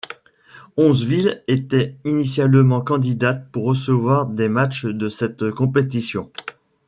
Onze villes étaient initialement candidates pour recevoir des matches de cette compétition.